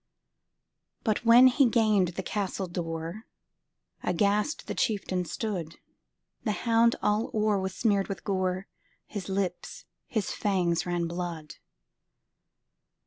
But, when he gained his castle door, Aghast the chieftain stood; The hound all o'er was smeared with gore, His lips, his fangs, ran blood.